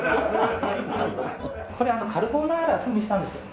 これカルボナーラ風にしたんですよ。